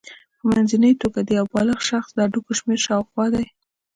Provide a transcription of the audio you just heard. په منځنۍ توګه د یو بالغ شخص د هډوکو شمېر شاوخوا دی.